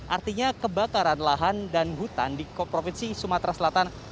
artinya kebakaran lahan dan hutan di provinsi sumatera selatan